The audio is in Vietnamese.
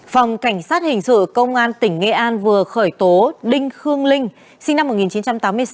phòng cảnh sát hình sự công an tỉnh nghệ an vừa khởi tố đinh khương linh sinh năm một nghìn chín trăm tám mươi sáu